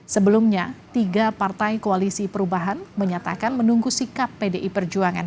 sebelumnya tiga partai koalisi perubahan menyatakan menunggu sikap pdi perjuangan